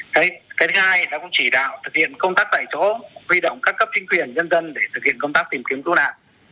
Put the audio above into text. thứ hai là cũng chỉ đạo thực hiện công tác tại chỗ huy động các cấp chính quyền dân dân để thực hiện công tác tìm kiếm cứu nạn